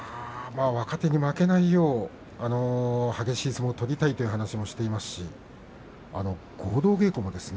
若手に負けないよう激しい相撲を取りたいという話をしています玉鷲です。